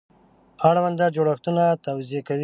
اړوند جوړښتونه توضیح کوي.